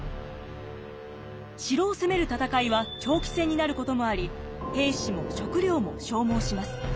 城を攻める戦いは長期戦になることもあり兵士も食糧も消耗します。